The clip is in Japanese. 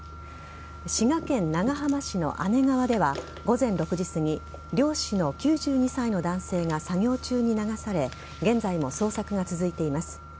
滋賀県長浜市の姉川では午前６時すぎ漁師の９２歳の男性が作業中に流され現在も捜索が続いています。